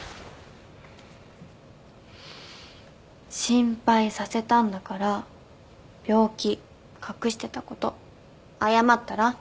心配させたんだから病気隠してたこと謝ったら？